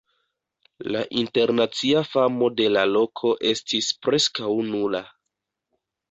La internacia famo de la loko estis preskaŭ nula.